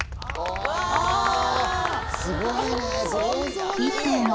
すごいね。